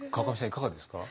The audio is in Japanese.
いかがですか？